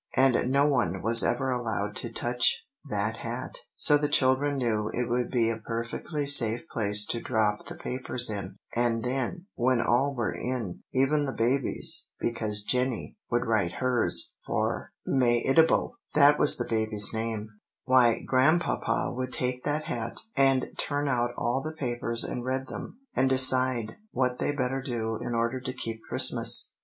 And no one was ever allowed to touch that hat. So the children knew it would be a perfectly safe place to drop the papers in; and then, when all were in, even the baby's, because Jenny would write hers for Mehitable, that was the baby's name, why Grandpapa would take the hat, and turn out all the papers and read them, and decide what they better do in order to keep Christmas.